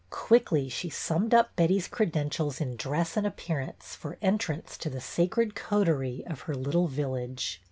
Quickly she summed up Betty's credentials in dress and appearance for entrance to the sacred coterie of her little village.